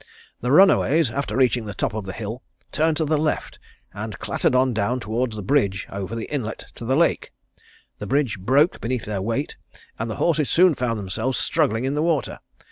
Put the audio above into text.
The runaways after reaching the top of the hill turned to the left, and clattered on down toward the bridge over the inlet to the lake. The bridge broke beneath their weight and the horses soon found themselves struggling in the water.